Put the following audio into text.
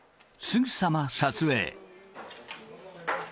すぐさま撮影。